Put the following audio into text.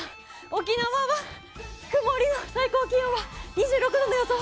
沖縄は曇り最高気温は２６度の予想。